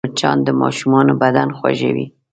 مچان د ماشومانو بدن خوږوي